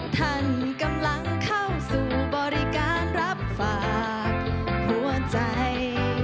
ท่านกำลังเข้าสู่บริการรับฝากหัวใจ